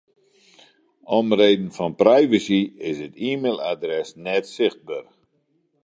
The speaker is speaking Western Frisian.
Om reden fan privacy is it e-mailadres net sichtber.